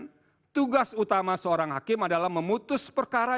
namun demikian tugas utama seorang hakim adalah memutus perkara ini